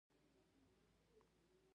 د چین د خلکو جمهوریت اعلان شو.